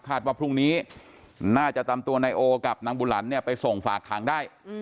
ว่าพรุ่งนี้น่าจะตามตัวนายโอกับนางบุหลันเนี่ยไปส่งฝากขังได้